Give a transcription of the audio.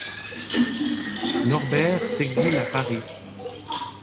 Norbert s'exile à Paris.